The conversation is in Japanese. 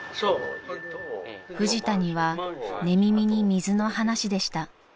［フジタには寝耳に水の話でした］